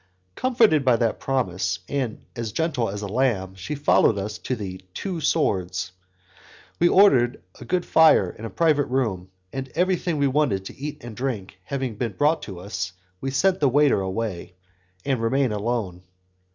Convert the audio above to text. Comforted by that promise, and as gentle as a lamb, she follows us to the "Two Swords." We ordered a good fire in a private room, and, everything we wanted to eat and to drink having been brought in, we send the waiter away, and remain alone.